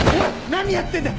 何やってんだ！